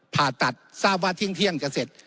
ผ่าตัดซ่าว่าเที่ยงเที่ยงจะเสร็จ